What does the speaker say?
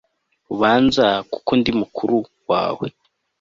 ubanza kuko ndi mukuru wawe